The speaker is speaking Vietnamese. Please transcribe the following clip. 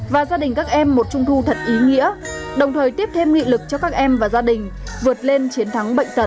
và gia đình các em một trung thu thật ý nghĩa đồng thời tiếp thêm nghị lực cho các em và gia đình vượt lên chiến thắng bệnh tật